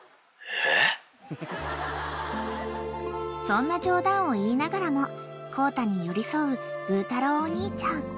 ［そんな冗談を言いながらもコウタに寄り添うブー太郎お兄ちゃん］